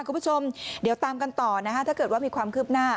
คุณผู้ชมเดี๋ยวตามกันต่อนะฮะถ้าเกิดว่ามีความคืบหน้า